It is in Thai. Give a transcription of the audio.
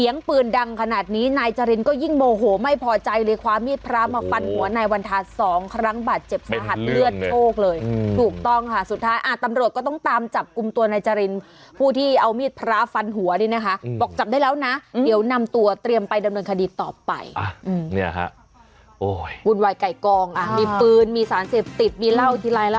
โอ้ยวุ่นวายไก่กองอ่ะมีปืนมีสารเสพติดมีเหล้าทีไรแล้ว